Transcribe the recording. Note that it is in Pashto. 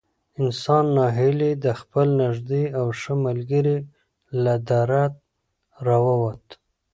انسان نا هیلی د خپل نږدې او ښه ملګري له دره را ووت.